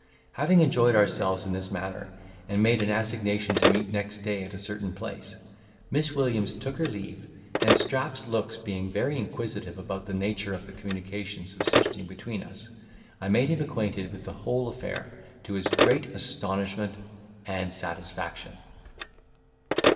Having enjoyed ourselves in this manner, and made an assignation to meet next day at a certain place, Miss Williams took her leave; and Strap's looks being very inquisitive about the nature of the communication subsisting between us, I made him acquainted with the whole affair, to his great astonishment and satisfaction.